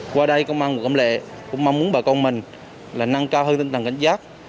qua đây công an của cầm lệ cũng mong muốn bà con mình là năng cao hơn tinh thần cảnh giác